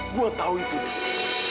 gue tahu itu dil